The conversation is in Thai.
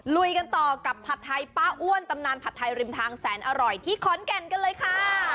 ลุยกันต่อกับผัดไทยป้าอ้วนตำนานผัดไทยริมทางแสนอร่อยที่ขอนแก่นกันเลยค่ะ